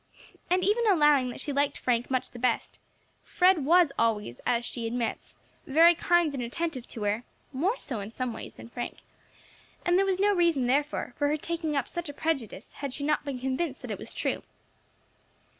And even allowing that she liked Frank much the best, Fred was always, as she admits, very kind and attentive to her more so, in some ways, than Frank, and there was no reason, therefore, for her taking up such a prejudice had she not been convinced that it was true.